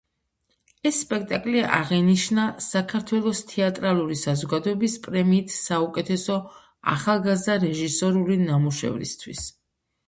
ეს სპექტაკლი აღინიშნა საქართველოს თეატრალური საზოგადოების პრემიით საუკეთესო ახალგაზრდა რეჟისორული ნამუშევრისთვის.